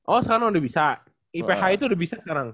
oh sana udah bisa iph itu udah bisa sekarang